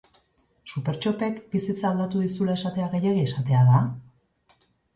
Supertxopek bizitza aldatu dizula esatea gehiegi esatea da?